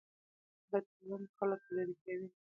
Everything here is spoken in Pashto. بد چلند خلک لرې کوي.